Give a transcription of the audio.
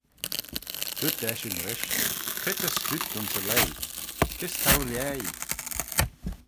Dooyrt eshyn rish, Cre ta scruit ayns y leigh? kys t'ou lhaih?